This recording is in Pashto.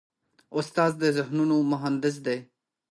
استاد د ذهنونو مهندس دی.